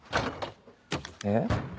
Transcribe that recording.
えっ？